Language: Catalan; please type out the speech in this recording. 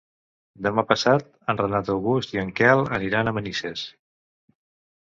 Demà passat en Renat August i en Quel aniran a Manises.